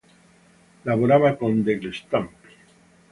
Lavorava con degli stampi.